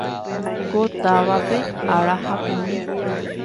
Ko távape ára hakumi.